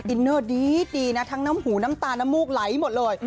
อินเนอร์ดีนะทั้งน้ำหูน้ำตาลน้ำมูกไหลหมดเลย